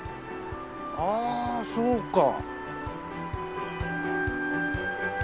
ああそうか。